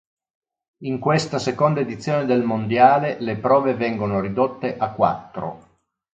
In questa seconda edizione del Mondiale le prove vengono ridotte a quattro.